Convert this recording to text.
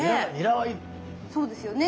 そうですよね。